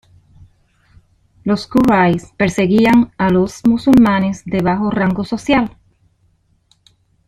Los Quraysh perseguían a los musulmanes de bajo rango social.